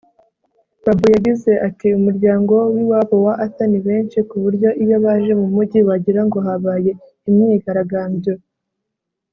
Babu yagize ati” Umuryango w’iwabo wa Arthur ni benshi kuburyo iyo baje mu mujyi wagirango habaye imyigaragambyo…